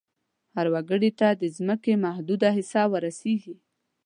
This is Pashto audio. هر وګړي ته د ځمکې محدوده حصه ور رسیږي.